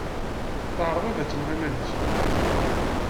Teɛreḍ ad tneɣ iman-is.